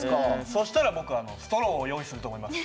そしたら僕ストローを用意すると思います。